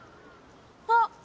あっ！